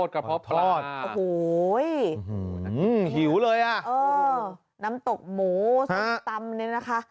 กระเพาะพลอดโอ้โหหิวเลยอ่ะเออน้ำตกหมูส้มตำเนี่ยนะคะ